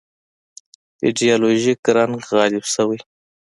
ایدیالوژیک رنګ غالب شوی.